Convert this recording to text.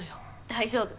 大丈夫。